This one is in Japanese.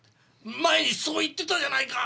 前にそう言ってたじゃないか！